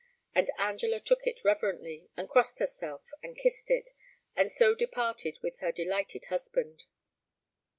And Angela took it reverently, and crossed herself, and kissed it, and so departed with her delighted husband.